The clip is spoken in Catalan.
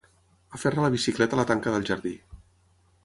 Aferra la bicicleta a la tanca del jardí.